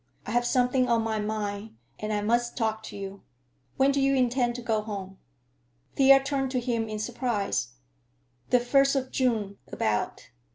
I have something on my mind, and I must talk to you. When do you intend to go home?" Thea turned to him in surprise. "The first of June, about.